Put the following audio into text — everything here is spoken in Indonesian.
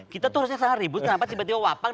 kita tuh harusnya sangat ribut kenapa tiba tiba wapal